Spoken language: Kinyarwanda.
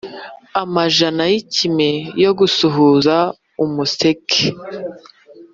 amajana yikime yo gusuhuza umuseke,